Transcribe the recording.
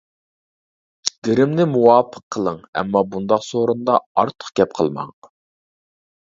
گىرىمنى مۇۋاپىق قىلىڭ، ئەمما بۇنداق سورۇندا ئارتۇق گەپ قىلماڭ.